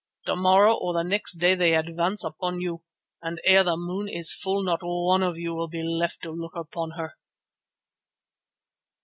To morrow or the next day they advance upon you, and ere the moon is full not one of you will be left to look upon her."